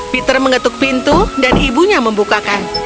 peter mengetuk pintu dan ibunya membukakan